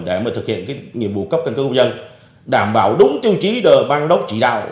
để thực hiện nhiệm vụ cấp căn cức công dân đảm bảo đúng tiêu chí và văn đốc trị đạo